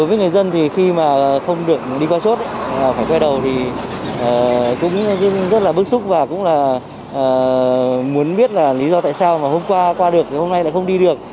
với người dân thì khi mà không được đi qua chốt phải quay đầu thì cũng rất là bức xúc và cũng là muốn biết là lý do tại sao mà hôm qua qua được thì hôm nay lại không đi được